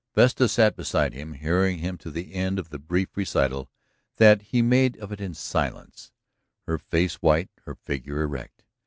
Vesta sat beside him, hearing him to the end of the brief recital that he made of it in silence, her face white, her figure erect.